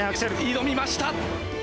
挑みました。